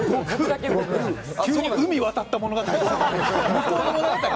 急に海渡った物語。